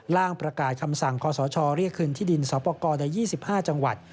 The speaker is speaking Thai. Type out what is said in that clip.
ล่างประกาศคำสั่งคศเรียกคืนที่ดินสอปกรใน๒๕จังหวัด